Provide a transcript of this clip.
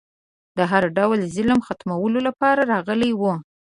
د هر ډول ظلم ختمولو لپاره راغلی و